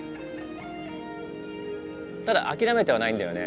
ただ諦めてはないんだよね